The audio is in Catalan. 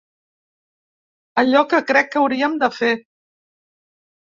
Allò que crec que hauríem de fer.